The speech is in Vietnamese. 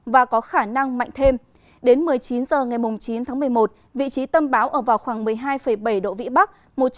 và có khả năng mạnh thêm đến một mươi chín h ngày chín tháng một mươi một vị trí tâm bão ở vào khoảng một mươi hai bảy độ vĩ bắc